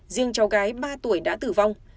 riêng cháu gái ba tuổi đã tử vong